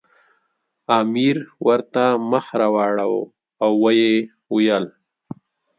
امیر ورته مخ راواړاوه او ویې ویل.